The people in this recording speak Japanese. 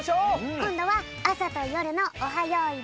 こんどはあさとよるの「オハ！よいどん」であおうね！